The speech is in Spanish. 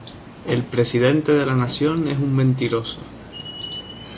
El presidente de la nación es un mentiroso.